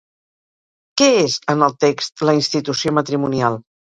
Què és, en el text, la institució matrimonial?